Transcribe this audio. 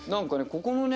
ここのね